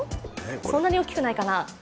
そんなに大きくないかな。